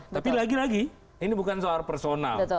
tapi lagi lagi ini bukan soal personal